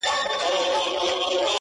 په سبا به آوازه سوه په وطن کي.!